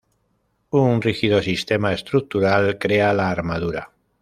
Un rígido sistema estructural crea la armadura.